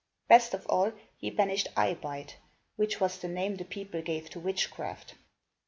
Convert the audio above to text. Best of all, he banished "eye bite," which was the name the people gave to witchcraft.